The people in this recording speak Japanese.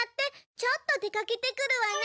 ちょっと出かけてくるわね。